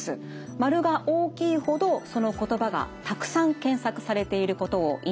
丸が大きいほどその言葉がたくさん検索されていることを意味しています。